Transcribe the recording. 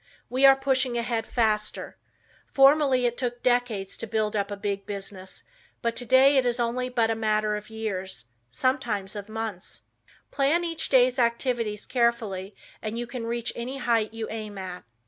We are pushing ahead faster. Formerly it took decades to build up a big business, but today it is only but a matter of years, sometimes of months. Plan each day's activities carefully and you can reach any height you aim at.